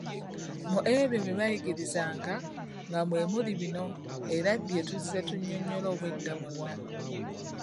Mu ebyo bye baayigirizanga nga mwe muli bino era bye tuzze tunnyonnyola obwedda bwonna